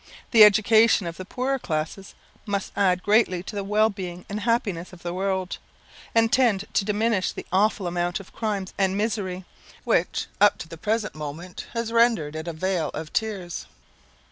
The education of the poorer classes must add greatly to the well being and happiness of the world, and tend to diminish the awful amount of crimes and misery, which up to the present moment has rendered it a vale of tears.